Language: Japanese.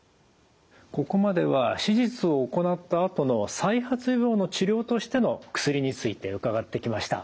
ここまでは手術を行ったあとの再発予防の治療としての薬について伺ってきました。